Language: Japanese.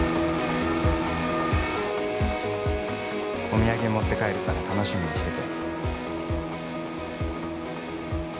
「お土産持って帰るから楽しみにしてて」